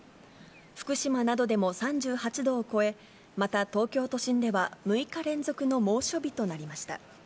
福島などでも３８度を超え、また東京都心では６日連続の猛暑日となりました。